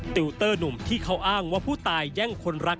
ติวเตอร์หนุ่มที่เขาอ้างว่าผู้ตายแย่งคนรัก